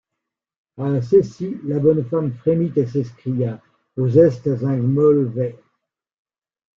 A cecy, la bonne femme frémit et s’escria: — Vous estes ung maulvais.